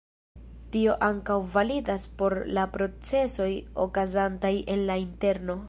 Tio ankaŭ validas por la procesoj okazantaj en la interno.